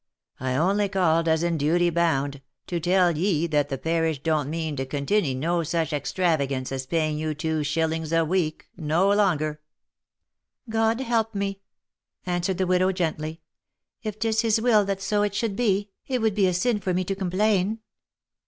I only called, as in duty bound, to tell ye that the parish don't mean to continy no such ex travagance as paying you two shilling a week, no longer." " God help me !" answered the widow gently. " If 'tis his will that so it should be, it would be a sin for me to complain."